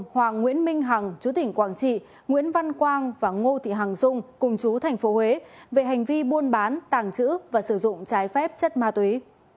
hoàng nguyễn minh hằng chú tỉnh quảng trị nguyễn văn quang và ngô thị hằng dung cùng chú tp huế về hành vi buôn bán tàng trữ và sử dụng trái phép chất ma túy